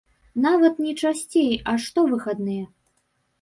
Нават не часцей, а штовыхадныя.